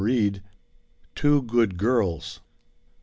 TWO GOOD GIRLS.